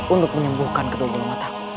untuk menyembuhkan kedua dua mataku